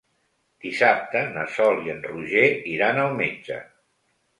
Dissabte na Sol i en Roger iran al metge.